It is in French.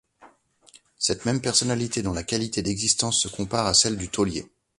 Cette même personnalité dont la qualité d’existence se compare à celle du Taulier.